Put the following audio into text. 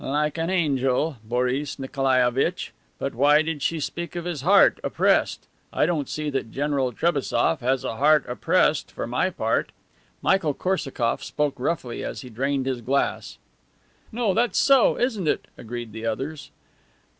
"Like an angel, Boris Nikolaievitch. But why did she speak of his heart oppressed? I don't see that General Trebassof has a heart oppressed, for my part." Michael Korsakoff spoke roughly as he drained his glass. "No, that's so, isn't it?" agreed the others.